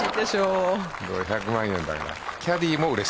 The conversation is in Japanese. ５００万円だから。